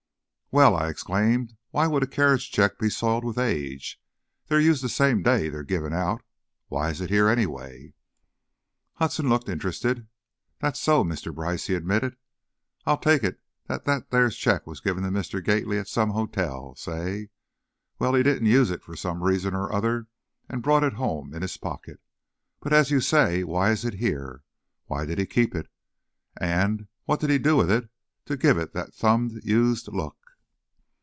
"Well!" I exclaimed, "why would a carriage check be soiled with age? They're used the same day they're given out. Why is it here, anyway?" Hudson looked interested. "That's so, Mr. Brice," he admitted. "I take it that there check was given to Mr. Gately at some hotel, say. Well, he didn't use it for some reason or other, and brought it home in his pocket. But as you say, why is it here? Why did he keep it? And, what did he do with it to give it that thumbed, used look?"